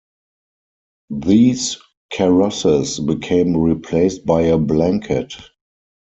These karosses became replaced by a blanket.